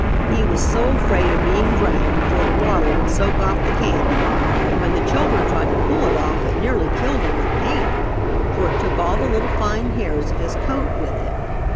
He was so afraid of being drowned before the water would soak off the candy and when the children tried to pull it off it nearly killed him with pain, for it took all the little fine hairs of his coat with it.